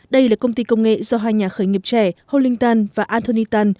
đây là công ty công nghệ do hai nhà khởi nghiệp trẻ hullington và anthony tan